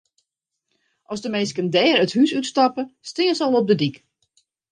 As de minsken dêr it hûs út stappe, stean se al op de dyk.